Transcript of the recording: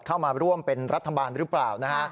เข้ามาร่วมเป็นรัฐบาลหรือเปล่านะฮะ